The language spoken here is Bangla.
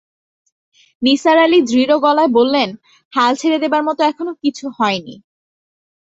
নিসার আলি দৃঢ় গলায় বললেন, হাল ছেড়ে দেবার মতো এখনো কিছু হয় নি।